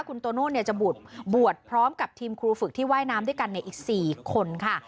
คุณโตโน่จะบวชบวชพร้อมกับทีมครูฝึกที่ว่ายน้ำด้วยกันในอีก๔คนค่ะ